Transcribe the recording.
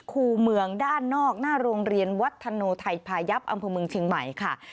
คู่เมืองด้านนอกหน้าโรงเรียนวัฒโนไทยพายับอำเภอเมืองเชียงใหม่ค่ะ